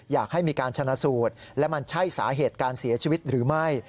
อยากให้มีการชนะสูตรและมันใช่สาเหตุการเสียชีวิตหรือไม่